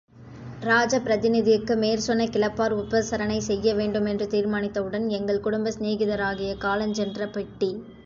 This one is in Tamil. இராஜப்பிரதிநிதிக்கு மேற்சொன்ன கிளப்பார் உபசரணை செய்ய வேண்டு மென்று தீர்மானித்தவுடன் எங்கள் குடும்ப சிநேகிதராகிய காலஞ்சென்ற பிட்டி.